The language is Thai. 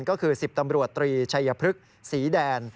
ก็คือ๑๐ตำรวจตรีชัยพฤกษ์ศรีแดน